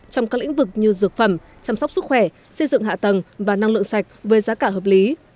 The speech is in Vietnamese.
trong các lĩnh vực như dược phẩm chăm sóc sức khỏe xây dựng hạ tầng và năng lượng sạch với giá cả hợp lý